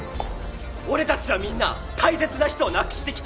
俺たちはみんな大切な人を亡くしてきた！